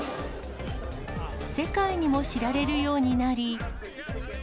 世界にも知られるようになり。